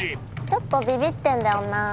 ちょっとビビってんだよなぁ。